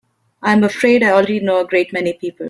I'm afraid I already know a great many people.